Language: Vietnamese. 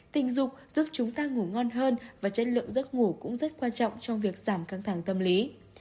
tình dục giúp chúng ta ngủ ngon hơn và chất lượng giấc ngủ cũng rất quan trọng trong việc giảm căng thẳng tâm lý